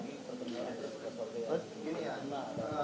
tentang pertemuan wanita menurut pak silvita toro